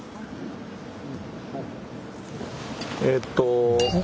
えっと。